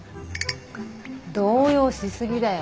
動揺し過ぎだよ。